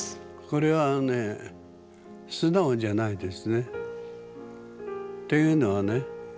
これはね素直じゃないですね。というのはね